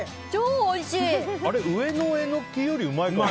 上のエノキより、うまいかも。